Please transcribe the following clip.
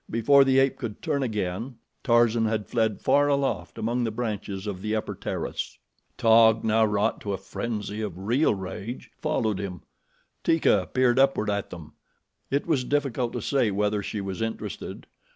Before the ape could turn again, Tarzan had fled far aloft among the branches of the upper terrace. Taug, now wrought to a frenzy of real rage, followed him. Teeka peered upward at them. It was difficult to say whether she was interested.